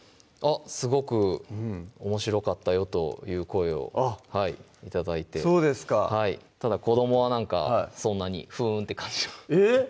すごく「おもしろかったよ」という声を頂いてそうですかただこどもはなんかそんなに「ふん」って感じがえっ！